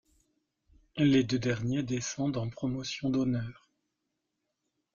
Les deux derniers descendent en Promotion d'Honneur.